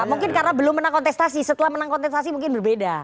mungkin karena belum menang kontestasi setelah menang kontestasi mungkin berbeda